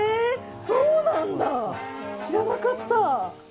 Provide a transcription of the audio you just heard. そうなんだ、知らなかった。